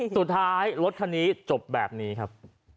สุดท้ายรถคันนี้จบแบบนี้ครับ